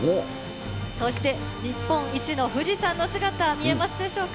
そして日本一の富士山の姿、見えますでしょうか。